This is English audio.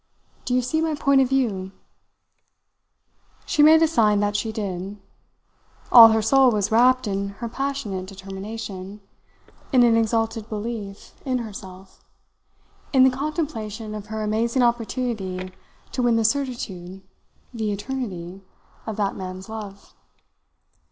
Do you see my point of view?" She made a sign that she did. All her soul was wrapped in her passionate determination, in an exalted belief in herself in the contemplation of her amazing opportunity to win the certitude, the eternity, of that man's love.